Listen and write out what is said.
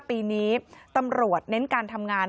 ปีนี้ตำรวจเน้นการทำงาน